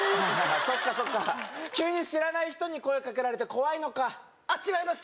あそっかそっか急に知らない人に声かけられて怖いのかあっ違います